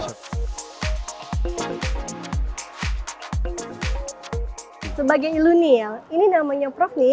sebagai ilunial ini namanya prof nih